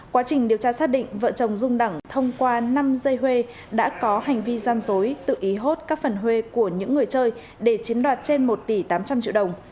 quá trình điều tra xác định vợ chồng dung đẳng thông qua năm dây huê đã có hành vi gian dối tự ý hốt các phần huê của những người chơi để chiếm đoạt trên một tỷ tám trăm linh triệu đồng